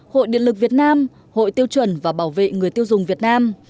hội điện lực việt nam hội tiêu chuẩn và bảo vệ người tiêu dùng việt nam